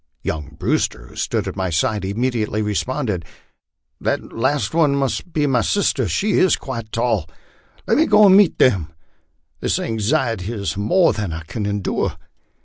Young Brewster, who stood at my side, immedi ately responded, "The last one must be my sister ; she is quite tall. Let me go and meet them ; this anxiety is more than I can endure."